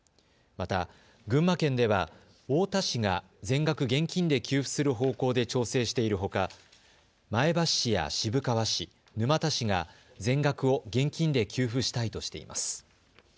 また、群馬県では太田市が全額現金で給付する方向で調整しているほか、前橋市や渋川市、沼田市が全額を現金で給付したいとしています。